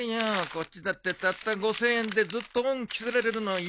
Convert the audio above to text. こっちだってたった５，０００円でずっと恩着せられるの嫌だからな。